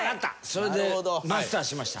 それでマスターしました。